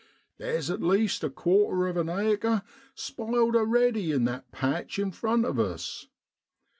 Theer's at least a quarter of an acre spiled a'ready in that patch in front of us.